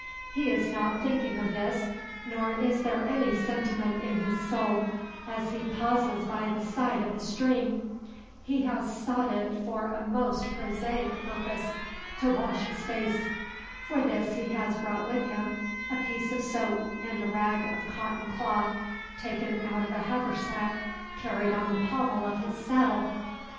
He is not thinking of this, nor is there any sentiment in his soul, as he pauses by the side of the stream. He has sought it for a most prosaic purpose to wash his face. For this he has brought with him a piece of soap and a rag of cotton cloth, taken out of a haversack carried on the pommel of his saddle.